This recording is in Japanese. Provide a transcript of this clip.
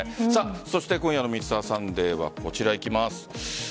今夜の「Ｍｒ．サンデー」はこちら、いきます。